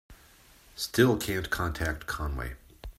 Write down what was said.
Still can't contact Conway.